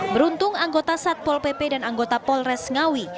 beruntung anggota satpol pp dan anggota polres ngawi